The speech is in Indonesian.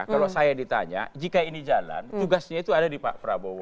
kalau saya ditanya jika ini jalan tugasnya itu ada di pak prabowo